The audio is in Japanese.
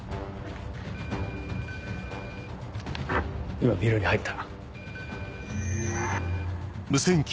今ビルに入った。